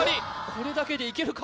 これだけでいけるか？